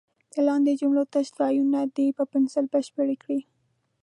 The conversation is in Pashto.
د لاندې جملو تش ځایونه دې په پنسل بشپړ کړي.